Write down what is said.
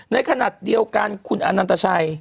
ในขณะเดียวกันคุณอนันตชัย